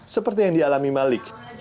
seperti yang dialami malik